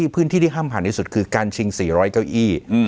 พื้นที่ที่ห้ำหันสุดคือการชิง๔๐๐เก้าอี้